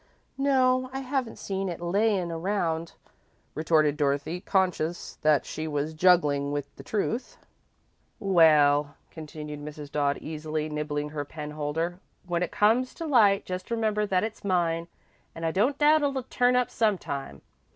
"No, I haven't seen it 'laying around,'" retorted Dorothy, conscious that she was juggling with the truth. "Well," continued Mrs. Dodd, easily, nibbling her pen holder, "when it comes to light, just remember that it's mine. I don't doubt it'll turn up sometime.